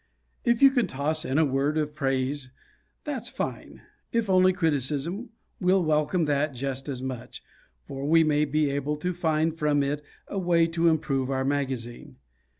If you can toss in a word of praise, that's fine; if only criticism, we'll welcome that just as much, for we may be able to find from it a way to improve our magazine.